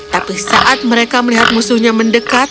tapi saat mereka melihat musuhnya mendekat